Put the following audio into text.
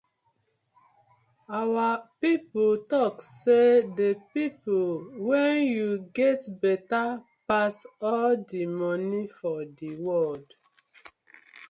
Our pipu tok say dey people wen yu get betta pass all di moni for di world.